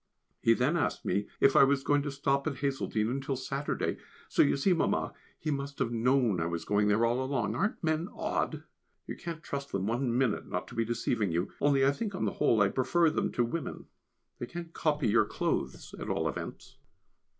He then asked me if I was going to stop at Hazeldene until Saturday. So you see, Mamma, he must have known I was going there all along; aren't men odd? You can't trust them one minute not to be deceiving you, only I think on the whole I prefer them to women, they can't copy your clothes at all events.